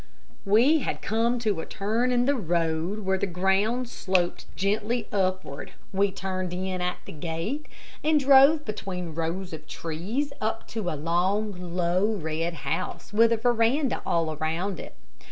We had come to a turn in the road where the ground sloped gently upward. We turned in at the gate, and drove between rows of trees up to a long, low, red house, with a veranda all round it.